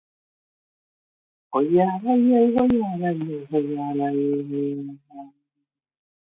The two measures in the study are taken at the same time.